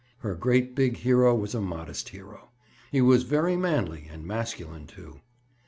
Her great big hero was a modest hero. But he was very manly and masculine, too.